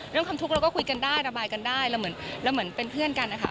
เรื่องคำทุกข์เราก็คุยกันได้ระบายกันได้เราเหมือนเป็นเพื่อนกันนะคะ